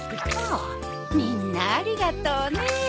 みんなありがとうね。